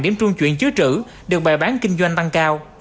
để trung chuyển chứa trữ được bài bán kinh doanh tăng cao